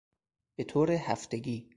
به طور هفتگی